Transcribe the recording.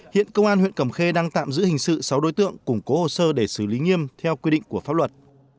hiện công an huyện cầm khê đang tạm giữ hình sự sáu đối tượng củng cố hồ sơ để xử lý nghiêm theo quy định của pháp luật